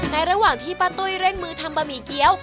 ระหว่างที่ป้าตุ้ยเร่งมือทำบะหมี่เกี้ยว